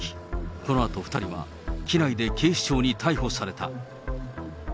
このあと、２人は機内で警視庁に逮捕された。